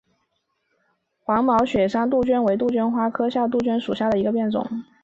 黄毛雪山杜鹃为杜鹃花科杜鹃属下的一个变种。